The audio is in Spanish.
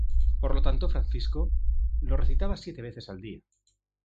Por lo tanto Francisco lo recitaba siete veces al día.